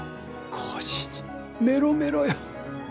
コージーにメロメロよ。